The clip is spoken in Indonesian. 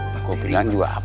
pak kobi lanjulah apa